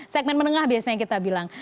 segmen menengah biasanya kita bilang